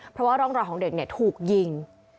เพราะว่าร่องรอยของเด็กถูกยิง